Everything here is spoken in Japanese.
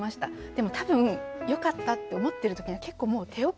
でも多分「よかった」って思ってる時には結構もう手遅れ。